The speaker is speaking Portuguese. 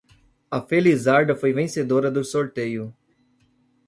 A felizarda foi vencedora do sorteio